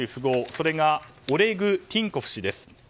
それがオレグ・ティンコフ氏です。